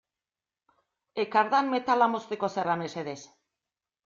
Ekardan metala mozteko zerra mesedez.